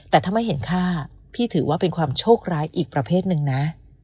แต่ถ้าไม่เห็นค่าพี่ถือว่าเป็นความโชคร้ายอีกประเภทหนึ่งนะ